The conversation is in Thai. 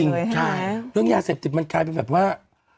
เรื่องยาเสพติดมันกลายเป็นแบบว่า